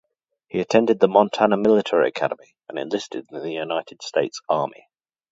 He attended the Montana Military Academy and enlisted in the United States Army.